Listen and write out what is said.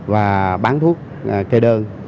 và bán thuốc gây đơn